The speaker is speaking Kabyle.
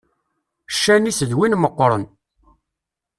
Ccan-is d win meqqren.